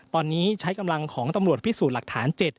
ตอนนี้ใช้กำลังของตำรวจพิสูจน์หลักฐาน๗